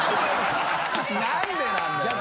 何でなんだよ。